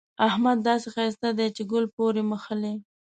احمد داسې ښايسته دی چې ګل پورې مښلي.